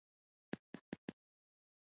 خلک له خره وډار شول.